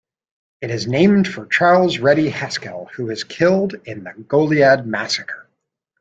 It is named for Charles Ready Haskell, who was killed in the Goliad massacre.